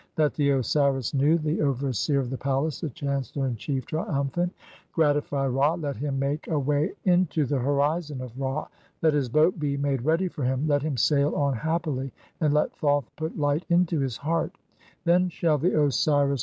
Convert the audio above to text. Let the Osiris Nu, the "overseer of the palace, the chancellor in chief, triumphant, gra "tify (16) Ra, let him make a way into the horizon of Ra, let "his boat be made ready for him, let him sail on happily, and "let Thoth put light into [his] heart; (17) then shall the Osiris 1.